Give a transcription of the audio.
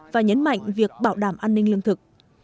và nhấn mạnh việc bảo đảm an ninh lương thực